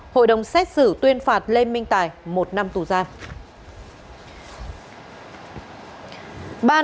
hội đồng xét xử tuyên phạt lê minh tài một năm tù giam